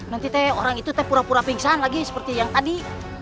nanti teh orang itu teh pura pura pingsan lagi seperti yang tadi